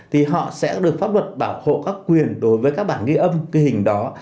thì họ sẽ được pháp luật bảo hộ các quyền đối với các bản ghi âm ghi hình đó